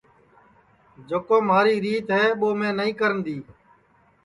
جکو مہاری ریت ہے ٻو میں نائی کرنے دؔیئے